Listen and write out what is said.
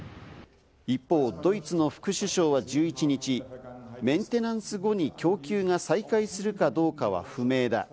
一方、ドイツの副首相は１１日、メンテナンス後に供給が再開するかどうかは不明だ。